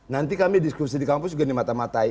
nanti kami diskusi di kampus juga dimata matai